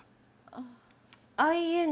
あっ。